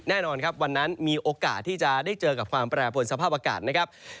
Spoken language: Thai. แน่นอนครับวันนั้นมีโอกาสที่จะได้เจอกับความแปรผลสภาพอากาศนะครับ